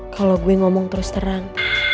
kalau gue ngomong terus terang